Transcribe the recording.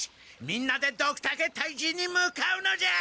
みんなでドクタケ退治に向かうのじゃ！